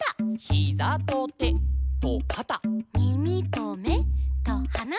「ヒザとてとかた」「みみとめとはな」